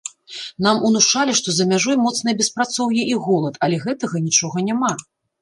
Нам унушалі, што за мяжой моцнае беспрацоўе і голад, але гэтага нічога няма.